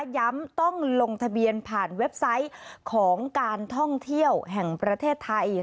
ต้องลงทะเบียนผ่านเว็บไซต์ของการท่องเที่ยวแห่งประเทศไทย